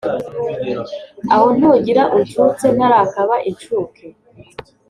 aho ntugira uncutse ntarakaba incuke